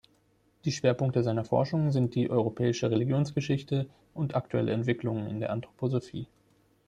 Die Schwerpunkte seiner Forschung sind die europäische Religionsgeschichte und aktuelle Entwicklungen in der Anthroposophie.